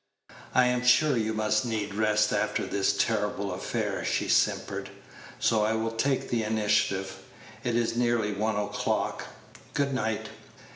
"I am sure you must need rest after this terrible affair," she simpered, "so I will take the initiative. It is nearly one o'clock. Good night."